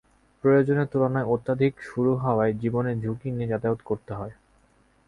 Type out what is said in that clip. প্রয়োজনের তুলানায় অত্যাধিক সরু হওয়ায় জীবনের ঝুঁকি নিয়ে যাতায়াত করতে হয়।